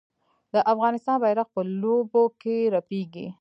د افغانستان بیرغ په لوبو کې رپیږي.